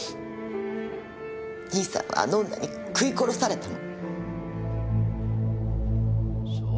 兄さんはあの女に食い殺されたの。